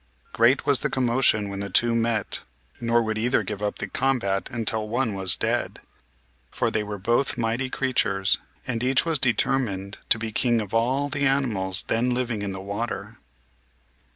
Great was the commotion when the two met, nor would either give up the combat until one was dead. For they were both mighty creatures, and each was determined to be king of all the animals then living in the water.